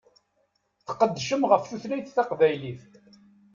Tqeddcem ɣef tutlayt taqbaylit.